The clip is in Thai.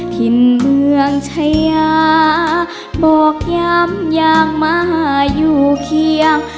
ถิ่นเมืองชายาบอกย้ำอย่างมาอยู่เคียง